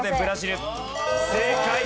正解。